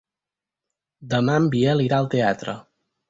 Demà en Biel irà al teatre.